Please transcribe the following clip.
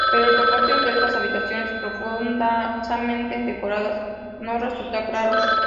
Pero el propósito de estas habitaciones profusamente decoradas no resulta claro.